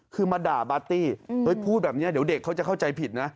คือมาด่าปาร์ตี้พูดแบบนี้เดี๋ยวเด็กเขาจะเข้าใจผิดนะ